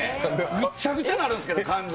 ぐっちゃぐちゃになるんですけど、感情。